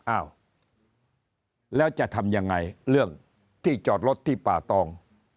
อ้าวแล้วจะทำยังไงเรื่องที่จอดรถที่ป่าตอง